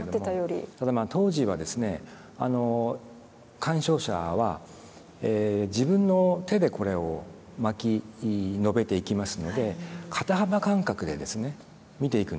ただ当時はですね鑑賞者は自分の手でこれを巻きのべていきますので肩幅感覚でですね見ていくんです。